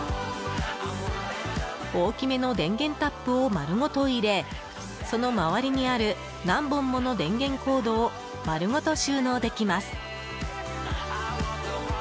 大きめの電源タップをまるごと入れその周りにある何本もの電源コードを丸ごと収納できます。